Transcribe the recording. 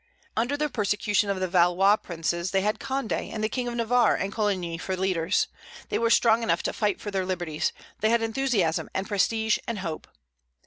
Under the persecution of the Valois princes they had Condé and the King of Navarre and Coligny for leaders; they were strong enough to fight for their liberties, they had enthusiasm and prestige and hope.